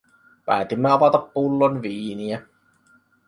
Päätimme avata pullon viiniä.